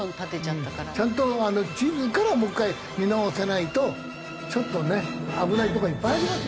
ちゃんと地図からもう１回見直さないとちょっとね危ないとこがいっぱいありますよね。